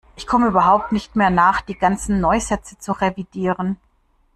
Ich komme überhaupt nicht mehr nach, die ganzen Neusätze zu revidieren.